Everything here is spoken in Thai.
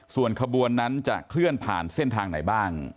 ส่วนขบวนนั้นจะเคลื่อนผ่านเส้นทางไหนบ้าง